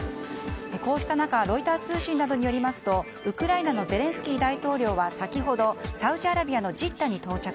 こうした中ロイター通信などによりますとウクライナのゼレンスキー大統領は先ほどサウジアラビアのジッダに到着。